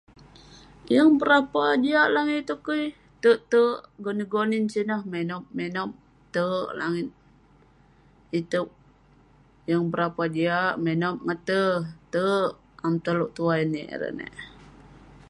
Yeng berapa jiak langit iteuk kei, terk terk gonin gonin sineh, menog menog terk langit iteuk yeng berapa jiak menok ngate terk amik toleuk tuai niik erei nek.